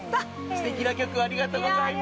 すてきな曲をありがとうございます。